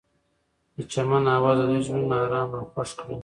د چمن اواز د دوی زړونه ارامه او خوښ کړل.